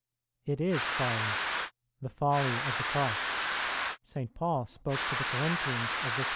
It is folly, the folly of the Cross. St. Paul spoke to the Corinthians of this 1 Gal.